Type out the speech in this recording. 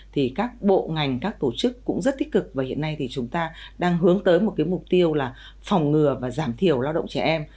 thì các bộ ngành các tổ chức cũng rất tích cực và hiện nay thì chúng ta đang hướng tới một cái mục tiêu là phòng ngừa và giảm thiểu lao động trẻ em